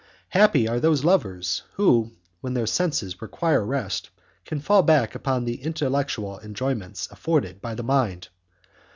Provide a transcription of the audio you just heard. Happy are those lovers who, when their senses require rest, can fall back upon the intellectual enjoyments afforded by the mind!